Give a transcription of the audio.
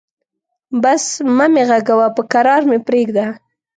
بس مه مې غږوه، به کرار مې پرېږده.